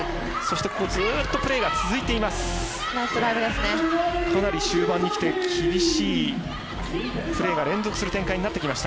ずっとプレーが続いています。